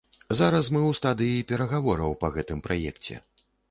Зараз мы ў стадыі перагавораў па гэтым праекце.